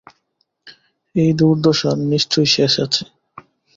এই দুর্দশার নিশ্চয়ই শেষ আছে।